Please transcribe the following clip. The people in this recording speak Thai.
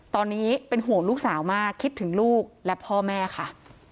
ตอนนี้เป็นห่วงลูกสาวมากคิดถึงลูกและพ่อแม่ค่ะ